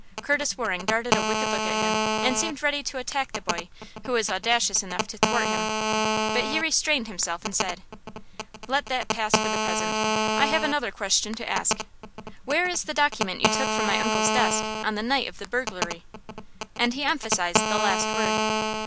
Curtis Waring darted a wicked look at him, and seemed ready to attack the boy who was audacious enough to thwart him, but he restrained himself and said: "Let that pass for the present. I have another question to ask. Where is the document you took from my uncle's desk on the night of the burglary?" And he emphasized the last word.